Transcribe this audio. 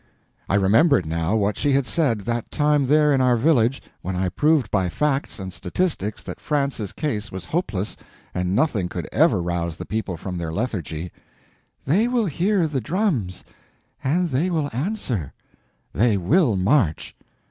I remembered now what she had said, that time there in our village when I proved by facts and statistics that France's case was hopeless, and nothing could ever rouse the people from their lethargy: "They will hear the drums—and they will answer, they will march!"